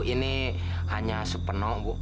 ini hanya supeno bu